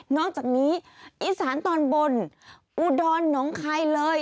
อกจากนี้อีสานตอนบนอุดรหนองคายเลย